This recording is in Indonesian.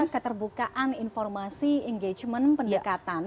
pembukaan informasi engagement pendekatan